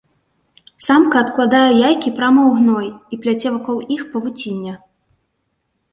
Самка адкладае яйкі прама ў гной і пляце вакол іх павуцінне.